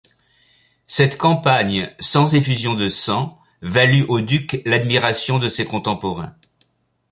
Cette campagne sans effusion de sang valut au duc l'admiration de ses contemporains.